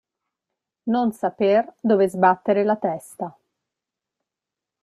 Non saper dove sbattere la testa.